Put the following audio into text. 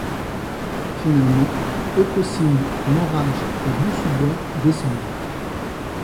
Finalement, Ecaussinnes, Maurage et Boussu-Bois descendent.